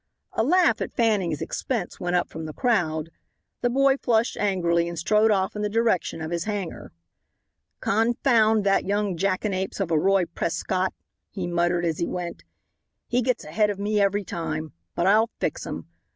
A laugh at Fanning's expense went up from the crowd. The boy flushed angrily and strode off in the direction of his hangar. "Confound that young Jackanapes of a Roy Prescott," he muttered, as he went; "he gets ahead of me every time. But I'll fix him.